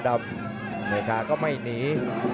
เหนือการก็ไม่หนี